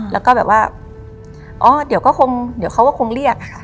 แล้วก็แบบว่าเดี๋ยวเขาก็คงเรียก